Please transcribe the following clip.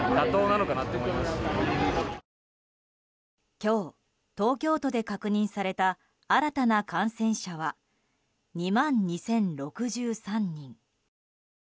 今日、東京都で確認された新たな感染者は２万２０６３人。